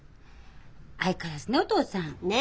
相変わらずねお父さん。ね。